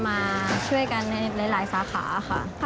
มาช่วยกันพวกนักศึกษาก็จะมาช่วยกันในหลายสาขาค่ะ